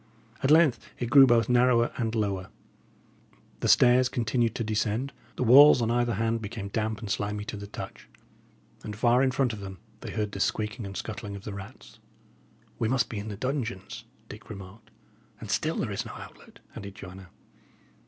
At length it grew both narrower and lower; the stairs continued to descend; the walls on either hand became damp and slimy to the touch; and far in front of them they heard the squeaking and scuttling of the rats. "We must be in the dungeons," Dick remarked. "And still there is no outlet," added Joanna.